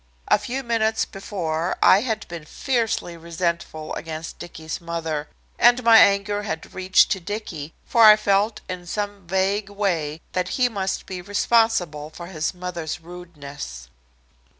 A few minutes before I had been fiercely resentful against Dicky's mother. And my anger had reached to Dicky, for I felt in some vague way that he must be responsible for his mother's rudeness.